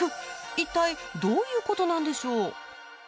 いったいどういうことなんでしょう？